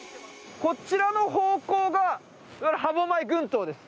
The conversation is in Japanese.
こちらの方向が歯舞群島です。